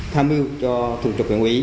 tham mưu cho thủ trục huyện quỹ